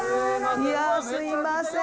いやすいません。